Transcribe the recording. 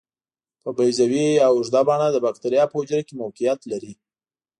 په بیضوي یا اوږده بڼه د باکتریا په حجره کې موقعیت لري.